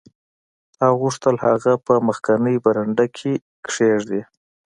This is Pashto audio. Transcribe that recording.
تا غوښتل هغه په مخکینۍ برنډه کې کیږدې